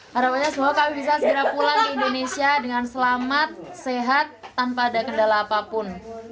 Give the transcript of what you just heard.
harapannya semoga kami bisa segera pulang ke indonesia dengan selamat sehat tanpa ada kendala apapun